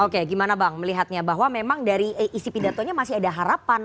oke gimana bang melihatnya bahwa memang dari isi pidatonya masih ada harapan